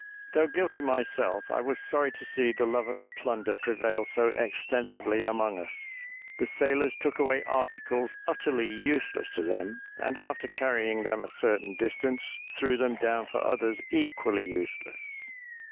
Though guilty myself, I was sorry to see the love of plunder prevail so extensively among us. The sailors took away articles utterly useless to them, and, after carrying them a certain distance, threw them down for others equally useless.